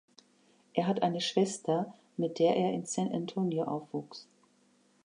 Er hat eine Schwester, mit der er in San Antonio aufwuchs.